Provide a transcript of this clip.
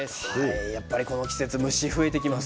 やっぱりこの季節虫が増えてきます。